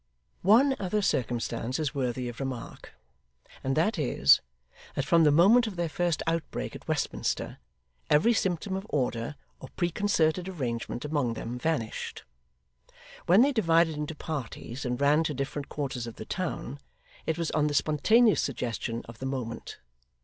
One other circumstance is worthy of remark; and that is, that from the moment of their first outbreak at Westminster, every symptom of order or preconcerted arrangement among them vanished. When they divided into parties and ran to different quarters of the town, it was on the spontaneous suggestion of the moment.